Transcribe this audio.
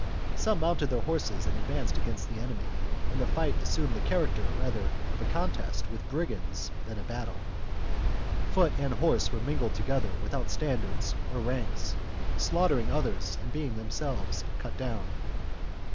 Some mounted their horses and advanced against the enemy, and the fight assumed the char acter rather of a contest with brigands than a bat tle. Foot and horse were mingled together without standards or ranks, slaughtering others and being themselves cut down.